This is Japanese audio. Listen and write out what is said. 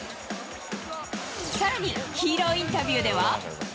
さらにヒーローインタビューでは。